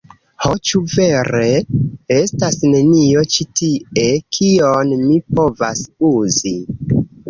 Ho, ĉu vere? Estas nenio ĉi tie? Kion mi povas uzi?